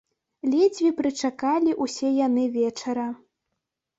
Ледзьве прычакалі ўсе яны вечара.